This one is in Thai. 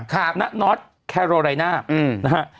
ครับนักนอร์ดแคโรไลน่านะฮะ